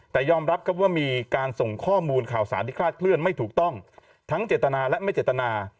แต่ยอมรับครับว่ามีการส่งข้อมูลข่าวสารที่คลาดเคลื่อนไม่ถูกต้องทั้งเจตนาและไม่เจตนา